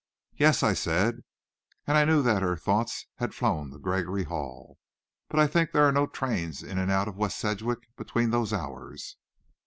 "Yes," I said, and I knew that her thoughts had flown to Gregory Hall. "But I think there are no trains in and out again of West Sedgwick between those hours."